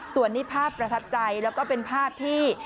ส่วนนี้ภาพประทับใจแล้วก็เป็นภาพที่